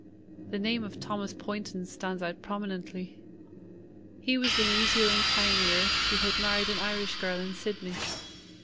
The name of Thomas Poynton stands out prominently. He was a New Zealand pioneer who had married an Irish girl in Sydney.